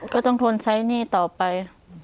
ก็ต้องทนใช้หนี้ต่อไป